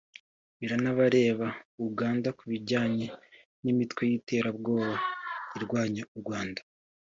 biranabareba [Uganda] ku bijyanye n’imitwe y’iterabwoba irwanya u Rwanda